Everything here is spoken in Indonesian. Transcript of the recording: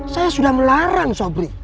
saya sudah melarang sobri